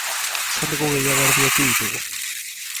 Eserleku gehiago erdietsi ditugu.